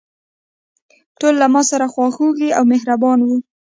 ټول له ماسره خواخوږي او مهربانه وو.